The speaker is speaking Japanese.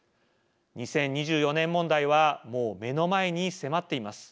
２０２４年問題はもう目の前に迫っています。